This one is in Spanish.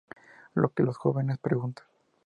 Lo que los jóvenes preguntan.